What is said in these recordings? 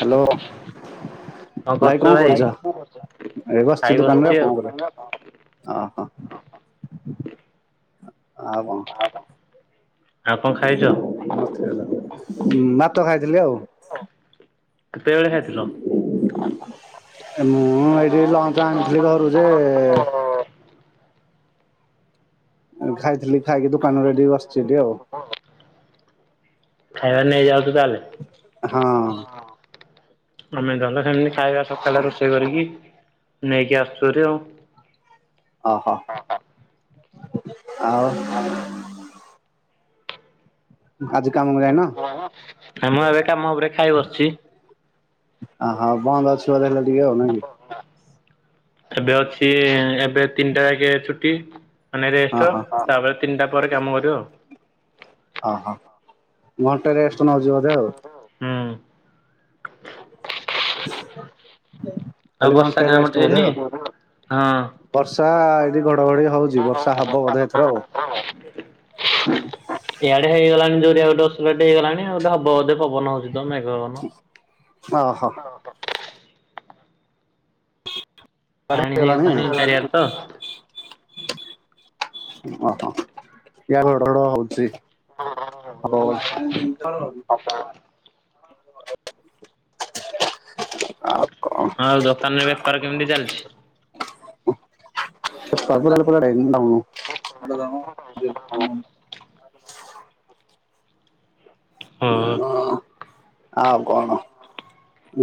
Hello. ଭାଇ କଣ କରୁଚ ଏଇ ଖାଇ ବସିଚି ଦୋକାନରେ ବସିଛି ଆଉ କଣ କରିବା। ଅ ହ ଆଉ କଣ? ଆଉ କଣ ଖାଇଚ? ବାତ ଖାଇଥିଲି ଆଉ କେତେବେଳେ ଖାଇଥିଲ? ହଁ ମୁଁ ଏବେ ଏଇଠି ଲଞ୍ଚ ଆଣିଥିଲି ଘରୁ ବା ଯେ [unintelligible] ଉଁ ଖାଇଥିଲି ଖାଇକି ଦୋକାନ ରେ ଏଡି ବସିଚି ଏଡି ଆଉ। ହଁ। ଖାଇବା ନେଇ ଯାଉଛୁ ତାହେଲେ ହଁ ହଁ ମାନେ ଗଲେ ଖାଲି ଖାଇଆ ସକାଳେ ରୋଷେଇ କରିକି ନେଇକି ଆସୁଚୁ ହେରି ଆଉ। ଅ ହ ଆଉ ଅ। ଆଜି କାମ କ ମୁଁ ଏବେ କାମ ଉପରେ ଖାଇ ବସିଚି। ଅ ହ ବନ୍ଦ ଅ [unintelligible] ଏବେ ଅଛି ଏବେ ତିନିଟା ଆଗେ ଛୁଟି ମାନେ ରେଷ୍ଟ ଓହୋ ତାପରେ ତିନିଟା ପରେ କାମ କରିବ ଆଉ। ଅହ ଘଣ୍ଟେ ରେଷ୍ଟ ନଉଚି ବୋଧେ ଆଉ। ହୁଁ। ଆଉ କଇଲି ବର୍ଷା ଘଣ୍ଟେ କାଁ ପଟେ ରେଷ୍ଟ ହେଇନି? ବୋଧେ ଆଉ। ହଁ। ବର୍ଷା ଏଇଠି ଘଡଘଡି ହଉଚି ବର୍ଷା ହବ ବୋଧେ ଏଥର ଆଉ। ହଁ। ଏଇଆଡେ ହେଇଗଲାଣି ଯୋରିିଆ ଗୋଟେ ଅସରେଟ ହେଇଗଲାଣି। ଆଉ ଗୋଟେ ହବ ବୋଧେ ପବନ ହଉଛି ତ ମେଘ ପବନ। ଓ ହୋ। ସାଡ଼େ ପାଣି ହେଇଗଲାଣି? ଚାରିଆଡେ ତ। ଓହୋ। ୟା ରଡ଼ ରଡ଼ ହଉଛି। ହଵ ବୋଧେ। ହ [unintelligible] ଆଉ କଣ? ହଁ ଆଉ ଦୋକାନରେ ବେପାର କେମିତି ଚାଲିଛି। ସେଲେ ପରୋଇଣ [unintelligible] ହଁ ଉଁ ଅଁ। ଆଉ କଣ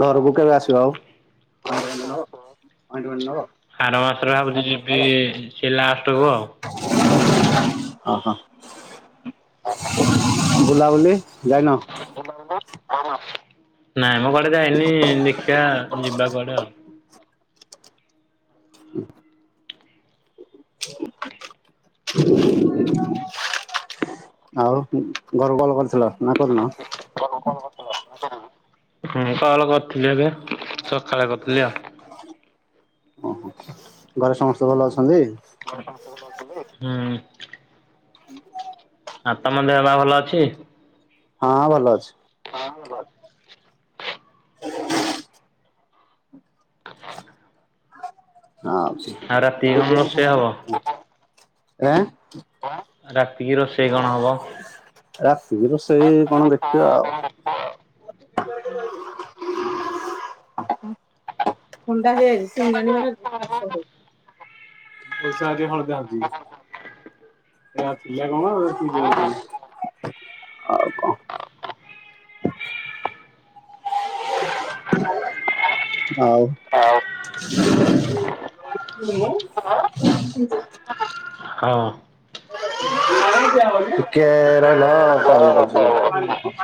ଘରକୁ କେବେ ଆସିବ ଆଉ। ଆଇଣ୍ଟୁ ଅନଳ। ଆାର ମାସରେ ଭାବୁଛି ଯିବି ସେଇ ଲାଷ୍ଟକୁ ଆଉ। ଅ ହଁ। ବୁଲା ବୁଲି ଯାଇନ। କୌମାଣଙ୍କୁ। କୋଉଦିନ ନାଇଁ ମୋ କୁଆଡେ ଯାଇନି ଦେଖିବା ଯିବା କୁଆଡେ ଆଉ। ହୁଁ। ଆଉ ଘର ଭଲ କରିଥିଲ ନା କରୁନ। ହୁଁ କଲ କରିଥିଲି ଏବେ ସକାଳେ କରିଥିଲି ଆଉ। ଘରେ ସମସ୍ତେ ଭଲ ଅଛନ୍ତି। କଣ ସବୁ କହୁନ। ହୁଁ। ଆ ତମ ଦେହ ପା ଭଲ ଅଛି। ହଁ ଭଲ ଅଛି। ହଁ ଭଲ ଅଛି। ହ [unintelligible] ହଁ ଅଛି। ଆଉ ରାତିକି କଣ ରୋଷେଇ ହବ? ରାତିକି ରୋଷେଇ କଣ ହବ। ରାତିିକି ରୋଷେଇ କଣ ଦେଖିବା ଆଉ। ଭିତରେ କେବେ ରହିଛୁ। ଥଣ୍ଡା ହେଇଯାଇଛି ସିଂଘାଣି ବାହାରୁଛି ଖାଶ ହୋଉଛି। ପଇସା ଏଠି ହଯାନ୍ତି। ସେଆ ଥିଲା କଣ କି ପାଇଁ ଆଉ କଣ। ଆଉ। ଧରିବୁନୁ ଦେ ହଁ। ଟିକେ ରହିଲ କଲ୍ କରୁଛି ରୁହ।